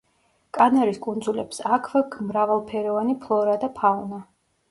კანარის კუნძულებს აქვ მრავალფეროვანი ფლორა და ფაუნა.